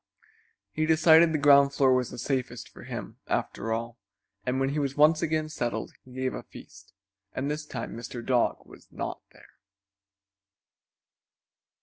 He decided the ground floor was the safest for him, after all, and when he was once again settled he gave a feast, and this time Mr. Dog was not there.